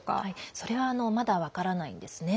それはまだ分からないんですね。